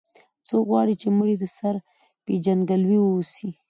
څوک غواړي د مړي د سر پېژندګلوي واوسي.